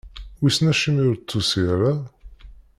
Wissen acimi ur d-tusi ara?